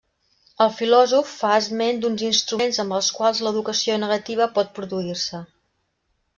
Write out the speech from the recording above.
El filòsof fa esment d’uns instruments amb els quals l’educació negativa pot produir-se.